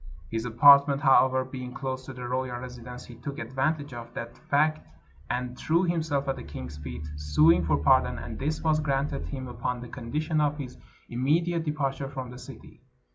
His apartment, however, being close to the royal residence, he took advantage of that fact and threw himself at the king's feet, suing for pardon, and this was granted him upon the condition of his imme diate departure from the city.